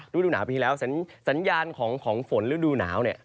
ฤดูหนาวปีที่แล้วสัญญาณของฝนฤดูหนาวเนี่ย